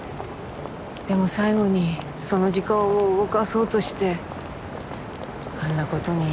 でも最期にその時間を動かそうとしてあんな事に。